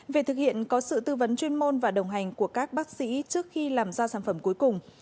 việc thực hiện có sự tư vấn chuyên môn và đồng hành của các bác sĩ trước khi làm ra sản phẩm cuối cùng